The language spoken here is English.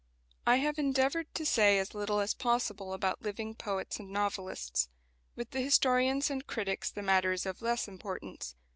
I have endeavoured to say as little as possible about living poets and novelists. With the historians and critics the matter is of less importance.